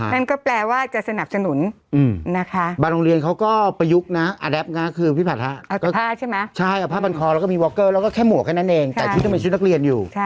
นั่นก็แปลว่าจะสนับสนุนนะคะบางโรงเรียนเขาก็ประยุกต์นะอแดปนะคือพี่ผัดฮะใช่ผ้าพันคอแล้วก็มีวอเกอร์แล้วก็แค่หมวกแค่นั้นเองแต่ชุดยังเป็นชุดนักเรียนอยู่